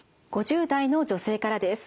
５０代の女性からです。